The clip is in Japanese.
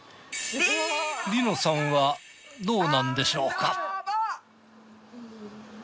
梨乃さんはどうなんでしょうか？